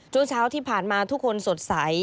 ช่วงเช้าที่ผ่านมาทุกคนสดใส